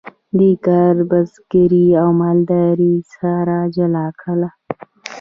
دې کار بزګري او مالداري سره جلا کړل.